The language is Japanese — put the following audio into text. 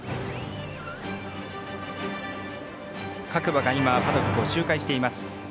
各馬が今、パドックを周回しています。